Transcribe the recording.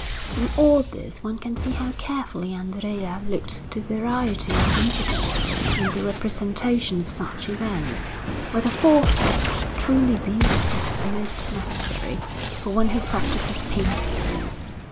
In all this one can see how carefully Andrea looked to variety of incident in the representation of such events, with a forethought truly beautiful and most necessary for one who practises painting.